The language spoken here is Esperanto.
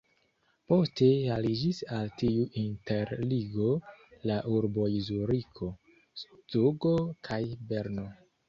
Poste aliĝis al tiu interligo la urboj Zuriko, Zugo kaj Berno.